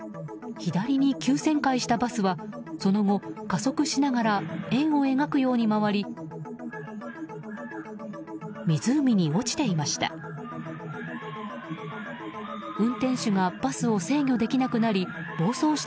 左に急旋回したバスはその後、加速しながら円を描くように回り湖に落ちていました。